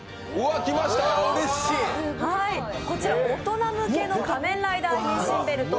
こちら、大人向けの仮面ライダー変身ベルト